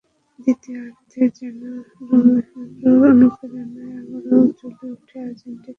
দ্বিতীয়ার্ধে যেন রোমেরোর অনুপ্রেরণাতেই আবারও জ্বলে ওঠে আর্জেন্টিনা, ঝলসে ওঠেন মেসি।